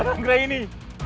tidak hangre ini